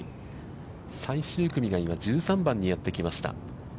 最終組が今、１３番にやってきました。